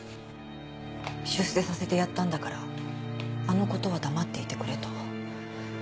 「出世させてやったんだからあの事は黙っていてくれ」と。